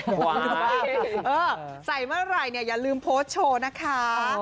ใส่เมื่อไหร่เนี่ยอย่าลืมโพสต์โชว์นะคะ